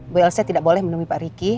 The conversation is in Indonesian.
bu elsa tidak boleh menemui pak riki